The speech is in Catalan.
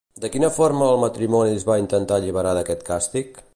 De quina forma el matrimoni es va intentar alliberar d'aquest càstig?